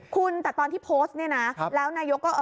คุณแต่ตอนที่โพสต์เนี่ยนะแล้วนายกก็